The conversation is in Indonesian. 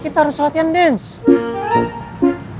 kita harus latihan dance